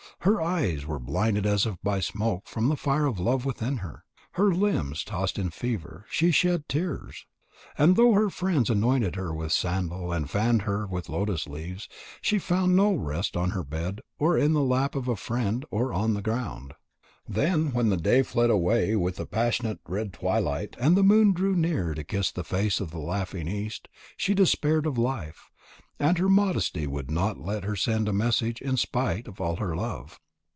Her eyes were blinded as if by smoke from the fire of love within her, her limbs tossed in fever, she shed tears. And though her friends anointed her with sandal and fanned her with lotus leaves, she found no rest on her bed or in the lap of a friend or on the ground. Then when the day fled away with the passionate red twilight, and the moon drew near to kiss the face of the laughing East, she despaired of life, and her modesty would not let her send a message in spite of all her love.